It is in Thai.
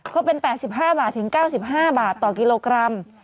ก็เป็น๘๕บาทถึง๙๕บาทต่อกิโลกรัม